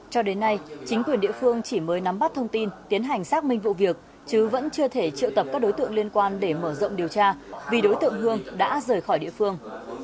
cho đến nay chính quyền địa phương chỉ mới nắm bắt thông tin tiến hành xác minh vụ việc chứ vẫn chưa thể triệu tập các đối tượng liên quan để mở rộng điều tra vì đối tượng hương đã rời khỏi địa phương